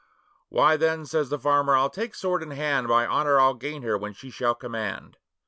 'Why, then,' says the farmer, 'I'll take sword in hand, By honour I'll gain her when she shall command.